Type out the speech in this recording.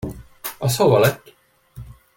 Az hova lett?